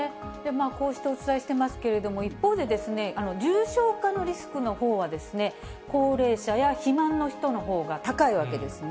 こうしてお伝えしていますけれども、一方で、重症化のリスクのほうは、高齢者や肥満の人のほうが高いわけですね。